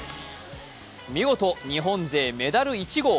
見事、日本勢メダル１号。